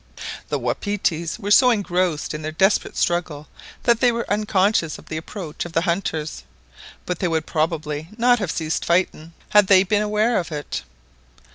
The wapitis were so engrossed in their desperate struggle that they were unconscious of the approach of the hunters; but they would probably not have ceased fighting, had they been aware of it.